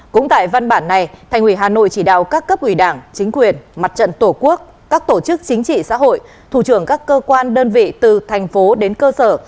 cũng tại văn bản này thành ủy hà nội chỉ đạo các cấp ủy đảng chính quyền mặt trận tổ quốc các tổ chức chính trị xã hội thủ trưởng các cơ quan đơn vị từ thành phố đến cơ sở